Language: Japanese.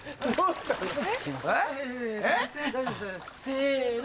せの！